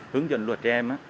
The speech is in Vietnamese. hướng dẫn luật trẻ em